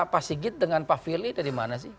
pak sigit dengan pak firly dari mana sih